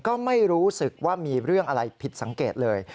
ก็ไม่รู้สึกว่ามีเรื่องอะไรผิดสังเกตเลย